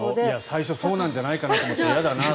最初そうじゃないかと思って嫌だなと。